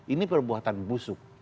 ini perbuatan busuk